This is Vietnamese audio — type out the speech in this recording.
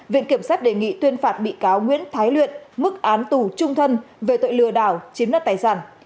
viện kiểm sát đề nghị tuyên phạt bị cáo nguyễn thái luyện mức án tù trung thân về tội lừa đảo chiếm đoạt tài sản